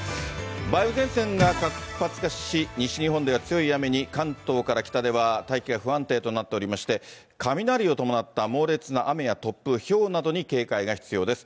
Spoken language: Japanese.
梅雨前線が活発化し、西日本では強い雨に、関東から北では、大気が不安定となっておりまして、雷を伴った猛烈な雨や突風、ひょうなどに警戒が必要です。